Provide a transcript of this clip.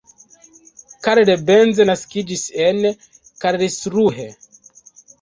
Karl Benz naskiĝis en Karlsruhe.